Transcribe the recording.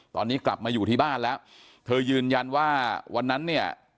ตอนนี้กลับมาอยู่ที่บ้านแล้วเธอยืนยันว่าวันนั้นเนี่ย